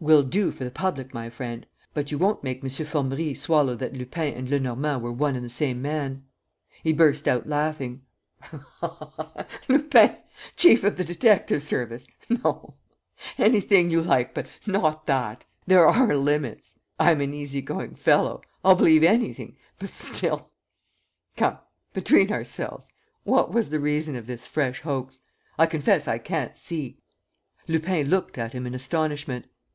"Well?" "Will do for the public, my friend. But you won't make M. Formerie swallow that Lupin and Lenormand were one and the same man." He burst out laughing. "Lupin, chief of the detective service! No, anything you like, but not that! ... There are limits. ... I am an easy going fellow. ... I'll believe anything ... but still. ... Come, between ourselves, what was the reason of this fresh hoax? ... I confess I can't see ..." Lupin looked at him in astonishment.